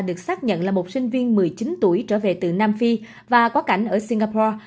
được xác nhận là một sinh viên một mươi chín tuổi trở về từ nam phi và quá cảnh ở singapore